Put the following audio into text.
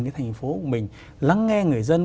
cái thành phố của mình lắng nghe người dân